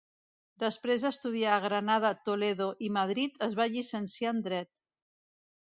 Després d'estudiar a Granada Toledo i Madrid es va llicenciar en Dret.